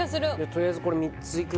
とりあえずこれ３ついく？